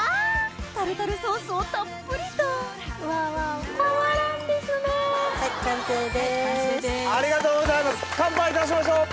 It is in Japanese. タルタルソースをたっぷりと・完成です・ありがとうございます乾杯いたしましょう！